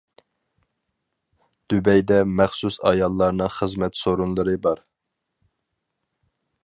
دۇبەيدە مەخسۇس ئاياللارنىڭ خىزمەت سورۇنلىرى بار.